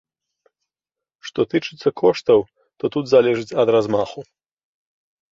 Што тычыцца коштаў, то тут залежыць ад размаху.